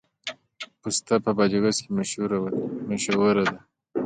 پسته په بادغیس کې مشهوره ده